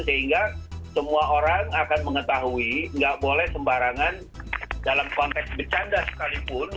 sehingga semua orang akan mengetahui nggak boleh sembarangan dalam konteks bercanda sekalipun